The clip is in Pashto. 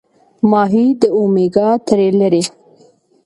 ماهي د اومیګا تري لري